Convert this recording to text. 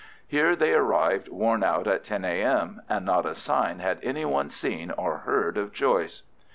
Here they arrived, worn out, at 10 A.M., and not a sign had any one seen or heard of Joyce.